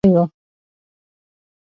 نه غوټۍ سته نه ګلاب یې دی ملګری د خوښیو